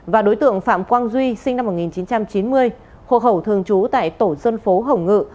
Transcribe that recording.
và đối tượng phạm quang duy sinh năm một nghìn chín trăm chín mươi hộ khẩu thường trú tại tổ dân phố hồng ngự